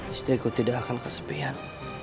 istriku tidak akan kesepian